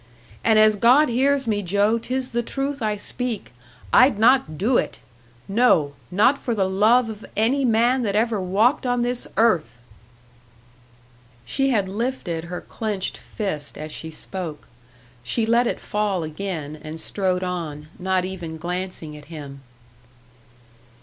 And as God hears me, Joe, 'tis the truth I speak I'd not do it! No, not for the love of any man that ever walked on this earth!" She had lifted her clenched fist as she spoke. She let it fall again, and strode on, not even glancing at him.